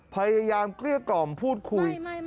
พยายามเกลี้ยกล่อมพูดคุย